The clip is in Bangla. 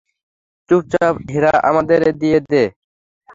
চুপচাপ হীরা আমাদেরকে দিয়ে দে।